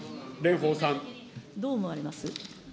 どう思われます。